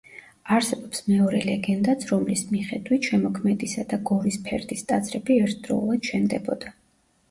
არსებობს მეორე ლეგენდაც, რომლის მიხედვით შემოქმედისა და გორისფერდის ტაძრები ერთდროულად შენდებოდა.